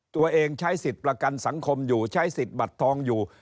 ตัวเองใช้สิทธิ์ประกันสังคมอยู่ใช้สิทธิ์บัตรทองอยู่